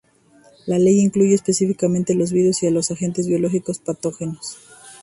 La ley excluye específicamente los virus y a los agentes biológicos patógenos.